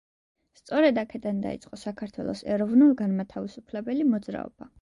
სწორედ აქედან დაიწყო საქართველოს ეროვნულ-განმათავისუფლებელი მოძრაობა.